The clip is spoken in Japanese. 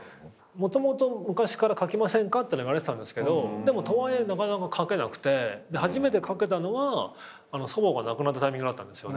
もともと昔から書きませんか？って言われてたんですけどとはいえなかなか書けなくて初めて書けたのは祖母が亡くなったタイミングだったんですよね。